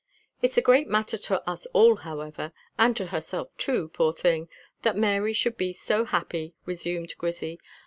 "It's a great matter to us all, however, and to herself too, poor thing, that Mary should be so happy," resumed Grizzy.